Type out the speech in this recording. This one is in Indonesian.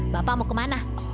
bapak mau kemana